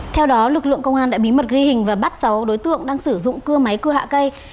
theo đó lực lượng công an đã bí mật ghi hình và bắt sáu đối tượng đang sử dụng cưa máy cưa hạ cây